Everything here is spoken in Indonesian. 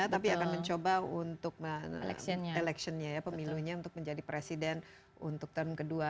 tapi akan mencoba untuk electionnya ya pemilunya untuk menjadi presiden untuk tahun kedua